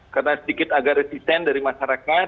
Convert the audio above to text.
karena sedikit agak resisten dari masyarakat